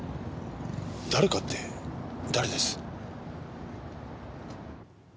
誰かって誰です？